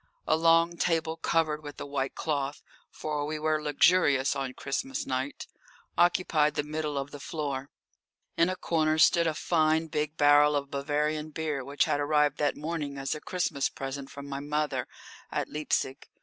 A long table covered with a white cloth for we were luxurious on Christmas night occupied the middle of the floor; in a corner stood a fine big barrel of Bavarian beer which had arrived that morning as a Christmas present from my mother at Leipzig.